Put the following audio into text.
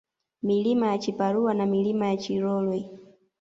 Milima ya Chiparua na Milima ya Chirolwe